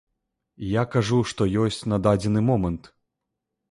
Я кажу, што ёсць на дадзены момант.